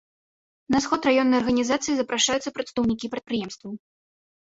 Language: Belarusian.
На сход раённай арганізацыі запрашаюцца прадстаўнікі прадпрыемстваў.